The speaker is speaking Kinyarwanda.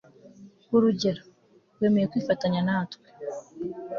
urugero, wemeye kwifatanya natwe